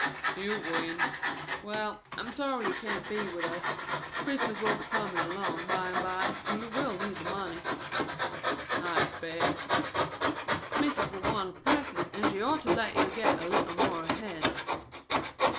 "You win." ("Well, I'm sorry you can't be with us. Christmas will be coming along bye and bye, and you will need the money.") "I expect." ("Mis'es will want a present, and she ought to let you get a little more ahead.")